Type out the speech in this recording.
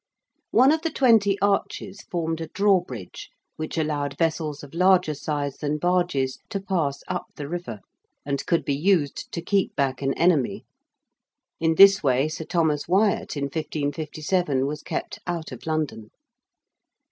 One of the twenty arches formed a drawbridge which allowed vessels of larger size than barges to pass up the river and could be used to keep back an enemy. In this way Sir Thomas Wyatt in 1557 was kept out of London.